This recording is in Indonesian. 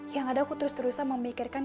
yang ada aku terus terusan memikirkan